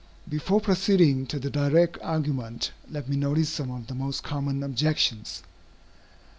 Before proceeding to the direct argument, let me notice some of the most common objections.